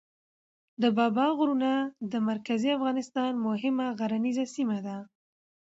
د بابا غرونه د مرکزي افغانستان مهمه غرنیزه سیمه ده.